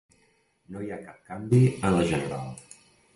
No hi ha cap canvi en la general.